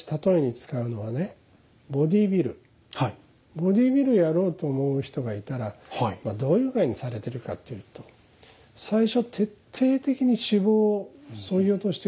ボディービルやろうと思う人がいたらどういう具合にされてるかっていうと最初徹底的に脂肪をそぎ落としていくでしょ。